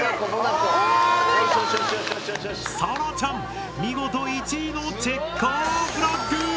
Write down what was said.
さらちゃん見事１位のチェッカーフラッグ！